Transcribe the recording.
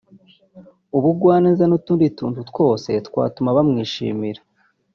ubugwaneza n’utundi tuntu twose twatuma bamwishimira